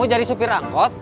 kamu jadi supir angkot